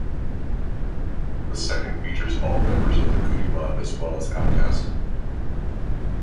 The second features all members of the Goodie Mob as well as Outkast.